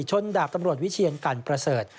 ดาบตำรวจวิเชียนกันประเสริฐ